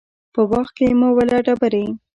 په باغ کې مه وله ډبري